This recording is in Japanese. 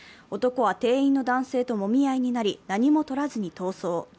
男は店員の男性ともみ合いになり、何も取らずに逃走。